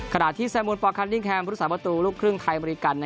ขนาดที่แซมวนปคาร์ดิ้งแคมภูติศาสตร์ประตูลูกครึ่งไทยบริกัน